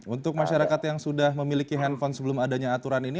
untuk masyarakat yang sudah memiliki handphone sebelum adanya aturan ini